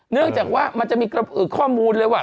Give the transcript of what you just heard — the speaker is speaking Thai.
เนื่องจากว่ามันจะมีข้อมูลเลยว่า